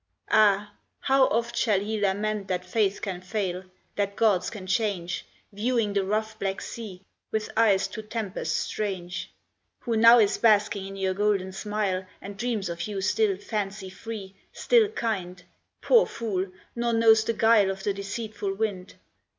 Ah! how oft shall he Lament that faith can fail, that gods can change, Viewing the rough black sea With eyes to tempests strange, Who now is basking in your golden smile, And dreams of you still fancy free, still kind, Poor fool, nor knows the guile Of the deceitful wind!